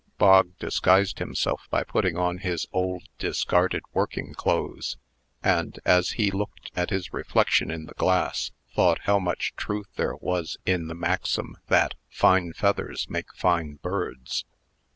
Bog disguised himself by putting on his old, discarded working clothes; and, as he looked at his reflection in the glass, thought how much truth there was in the maxim, that "fine feathers make fine birds."